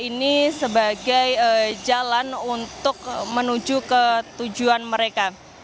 ini sebagai jalan untuk menuju ke tujuan mereka